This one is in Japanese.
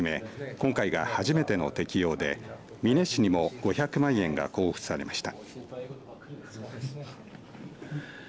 今回が初めての適用で美祢市にも５００万円が交付されました。